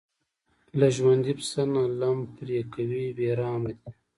له ژوندي پسه نه لم پرې کوي بې رحمه دي.